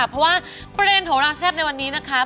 เพราะว่าประเด็นโหราแซ่บในวันนี้นะคะ